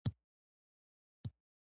ولایتونه د ځایي اقتصادونو یو مهم بنسټ دی.